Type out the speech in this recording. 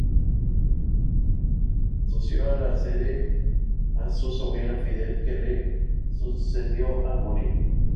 Asoció a la Sede a su sobrino Fidel, que le sucedió al morir.